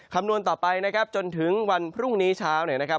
คำนวณต่อไปนะครับจนถึงวันพรุ่งนี้เช้าเนี่ยนะครับ